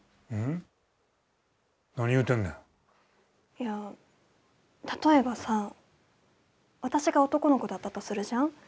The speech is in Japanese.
いや例えばさ私が男の子だったとするじゃん。